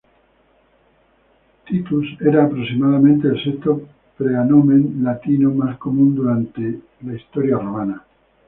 Titus era aproximadamente el sexto praenomen latino más común durante historia romana.